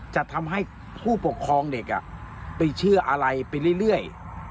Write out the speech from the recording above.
จะทำให้ผู้ปกครองเด็กไปเชื่ออะไรไปเรื่อย